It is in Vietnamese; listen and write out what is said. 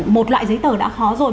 một loại giấy tờ đã khó rồi